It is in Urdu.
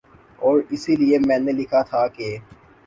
اور اسی لیے میں نے لکھا تھا کہ